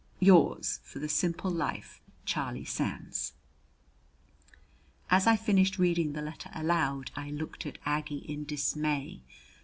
Yours for the Simple Life, CHARLIE SANDS. As I finished reading the letter aloud, I looked at Aggie in dismay.